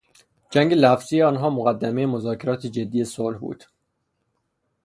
جنگ لفظی آنها مقدمهی مذاکرات جدی صلح بود.